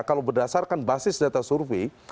kalau berdasarkan basis data survei